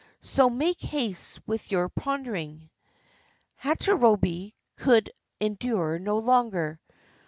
So make haste with your pondering." Hachirobei could endure no longer.